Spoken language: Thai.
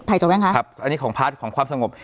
อันนี้ของพาร์ทของความสงบ